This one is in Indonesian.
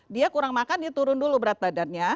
dia kurang makan dia turun dulu berat badannya